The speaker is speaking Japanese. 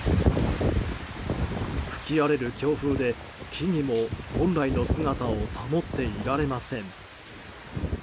吹き荒れる強風で、木々も本来の姿を保っていられません。